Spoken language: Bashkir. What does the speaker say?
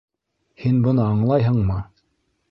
Һин быны аңлайһыңмы?